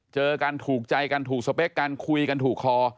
เจอกันถูกใจกันถูกสเปคกันคุยกันถูกคอ